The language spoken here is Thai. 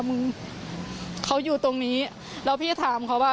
มึงเขาอยู่ตรงนี้แล้วพี่ถามเขาว่า